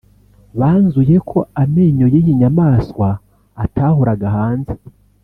banzuye ko amenyo y’iyi nyamanswa atahoraga hanze